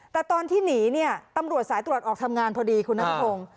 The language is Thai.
แต่ตอนที่หนีเนี่ยตำรวจสายตรวจออกทำงานพอดีคุณนัทพงศ์